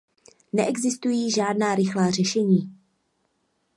Neexistují žádná rychlá řešení.